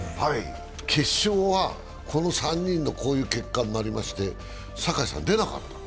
決勝はこの３人の、こういう結果になりまして、坂井さん出なかった。